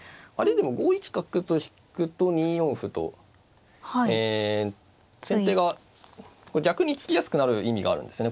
でも５一角と引くと２四歩とえ先手が逆に突きやすくなる意味があるんですね